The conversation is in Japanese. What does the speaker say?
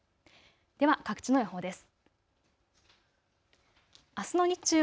では各地の予報です。